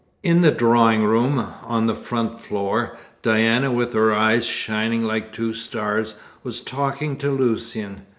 In the drawing room, on the front floor, Diana, with her eyes shining like two stars, was talking to Lucian.